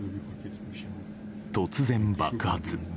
突然、爆発。